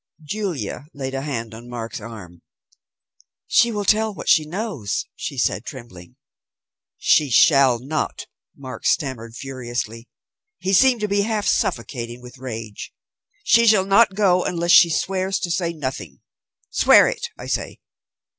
Julia laid a hand on Mark's arm. "She will tell what she knows," she said, trembling. "She shall not," Mark stammered furiously. He seemed to be half suffocating with rage. "She shall not go unless she swears to say nothing. Swear it, I say!"